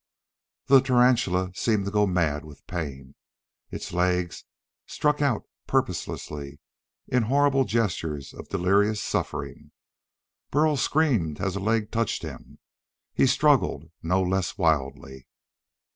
The tarantula seemed to go mad with pain. Its legs struck out purposelessly, in horrible gestures of delirious suffering. Burl screamed as a leg touched him. He struggled no less wildly.